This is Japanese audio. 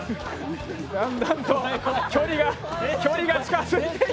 だんだんと距離が近づいていく。